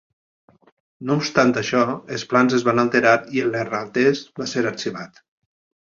No obstant això, els plans es van alterar i el neerlandès va ser arxivat.